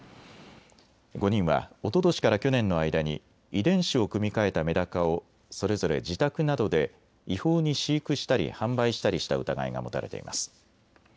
５人はおととしから去年の間に遺伝子を組み換えたメダカをそれぞれ自宅などで違法に飼育したり販売したりした疑いが持たれています。